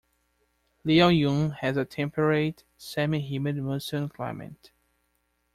Liaoyuan has a temperate semi-humid monsoon climate.